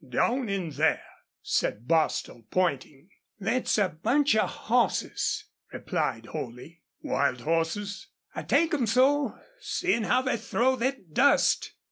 "Down in there," said Bostil, pointing. "Thet's a bunch of hosses," replied Holley. "Wild hosses?" "I take 'em so, seein' how they throw thet dust."